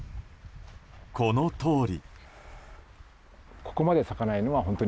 このとおり。